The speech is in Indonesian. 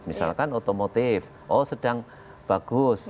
misalkan otomotif oh sedang bagus